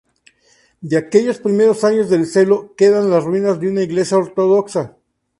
De aquellos primeros años del "seló" quedan las ruinas de una iglesia ortodoxa.